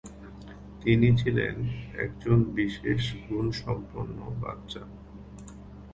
তিনি ছিলেন একজন বিশেষ গুণসম্পন্ন বাচ্চা।